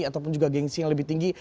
ataupun juga gengsi yang lebih tinggi